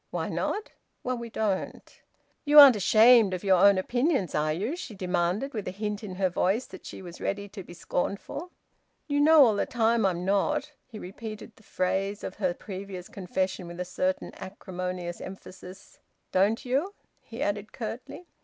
"Why not?" "Well, we don't." "You aren't ashamed of your own opinions, are you?" she demanded, with a hint in her voice that she was ready to be scornful. "You know all the time I'm not." He repeated the phrase of her previous confession with a certain acrimonious emphasis. "Don't you?" he added curtly.